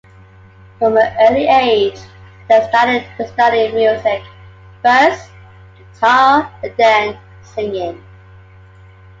From an early age, they started studying music, first guitar and then singing.